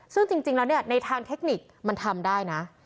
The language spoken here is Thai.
ซึ่งจริงแล้วเนี่ยในทางเทคนิคมันทำได้นะ